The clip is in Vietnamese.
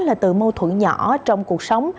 là từ mâu thuẫn nhỏ trong cuộc sống